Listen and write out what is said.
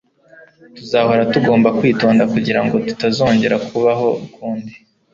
Tuzahora tugomba kwitonda kugirango tutazongera kubaho ukundi.